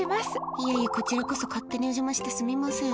いえいえ、こちらこそ勝手にお邪魔してすみません。